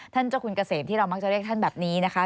เจ้าคุณเกษมที่เรามักจะเรียกท่านแบบนี้นะคะ